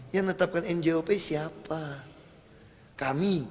yang menetapkan njop siapa kami